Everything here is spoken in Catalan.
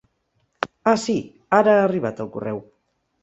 Ah sí ara ha arribat el correu.